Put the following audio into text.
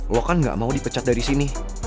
lo kan gak mau dipecat dari sini